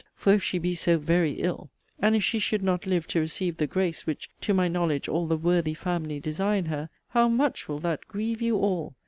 For if she be so 'very ill,' and if she should not live to receive the grace, which (to my knowledge) all the 'worthy family' design her, how much will that grieve you all!